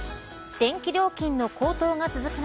電気料金の高騰が続く中